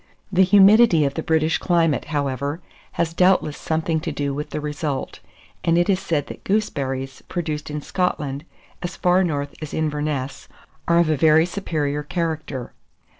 The humidity of the British climate, however, has doubtless something to do with the result; and it is said that gooseberries produced in Scotland as far north as Inverness, are of a very superior character.